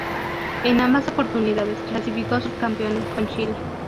En ambas oportunidades clasificó subcampeón con Chile.